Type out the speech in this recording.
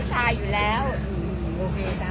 โอ้โอ้โอ้โอ้